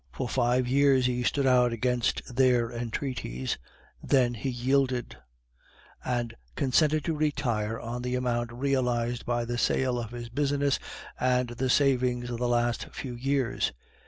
For five years he stood out against their entreaties, then he yielded, and consented to retire on the amount realized by the sale of his business and the savings of the last few years.